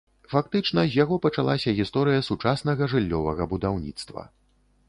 Фактычна з яго пачалася гісторыя сучаснага жыллёвага будаўніцтва.